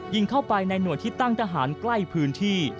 ยิงเข้าไปในหน่วยที่ตั้งทหารใกล้พื้นที่